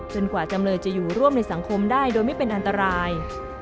กว่าจำเลยจะอยู่ร่วมในสังคมได้โดยไม่เป็นอันตราย